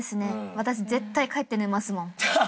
私絶対帰って寝ますもん。